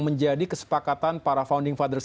menjadi kesepakatan para founding fathers